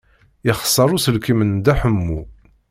Yexṣer uselkim n Dda Ḥemmu.